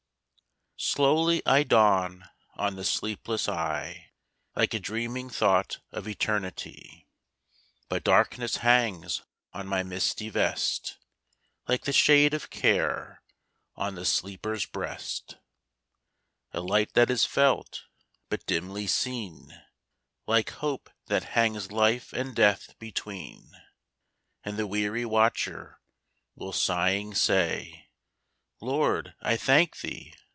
Slowly I dawn on the sleepless eye, Like a dreaming thought of eternity; But darkness hangs on my misty vest, Like the shade of care on the sleeper's breast; A light that is felt but dimly seen, Like hope that hangs life and death between; And the weary watcher will sighing say, "Lord, I thank thee!